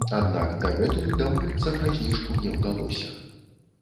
Аднак дагэтуль дамовіцца пра зніжку не ўдалося.